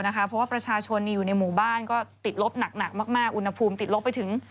เพราะว่าประชาชนอยู่ในหมู่บ้านก็ติดลบหนักมากอุณหภูมิติดลบไปถึง